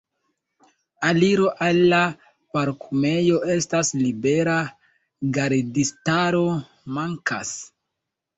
Aliro al la parkumejo estas libera, gardistaro mankas.